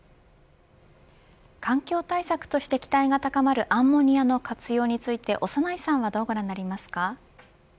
環境対策として期待が高まるアンモニアの活用について長内さんはどうご覧になりますか。